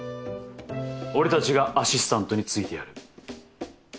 俺たちがアシスタントについてやる。